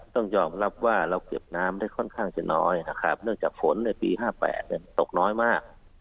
ต้องยอมรับว่าเราเก็บน้ำได้ค่อนข้างจะน้อยนะครับเนื่องจากฝนในปี๕๘ตกน้อยมาก